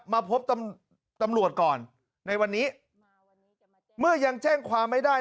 มาพบตำรวจก่อนในวันนี้เมื่อยังแจ้งความไม่ได้